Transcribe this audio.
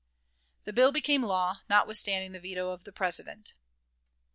The bill became a law, notwithstanding the veto of the President.